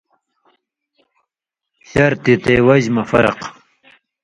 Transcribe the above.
شرط یی تے وجہۡ مہ فرق